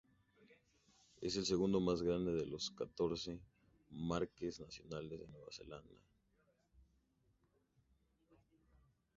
Es el segundo más grande de los catorce parques nacionales de Nueva Zelanda.